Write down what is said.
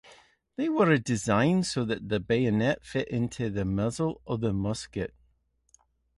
They were designed so that the bayonet fit into the muzzle of the musket.